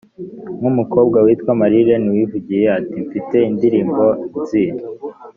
nk umukobwa witwa marlene wivugiye ati m te indirimbo nzi